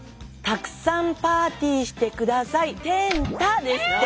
「たくさんパーティーしてください。てんた」ですって。